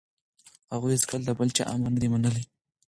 هغوی هیڅکله د بل چا امر نه دی منلی.